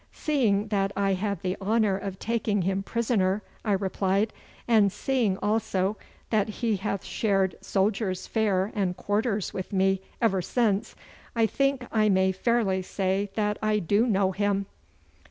'Seeing that I had the honour of taking him prisoner,' I replied, 'and seeing also that he hath shared soldier's fare and quarters with me ever since, I think I may fairly say that I do know him.